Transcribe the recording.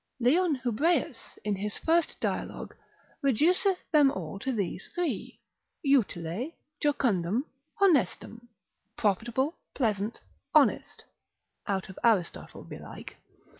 Leon Hubreus, in his first dialogue, reduceth them all to these three, utile, jucundum, honestum, profitable, pleasant, honest; (out of Aristotle belike 8.